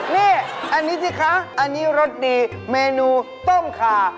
นี่อันนี้สิคะอันนี้รสดีเมนูต้มขา